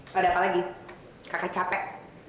pada apa lagi kakak capek